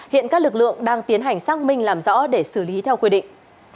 hiện các lực lượng đang tiến hành xác minh làm rõ để xử lý theo quy định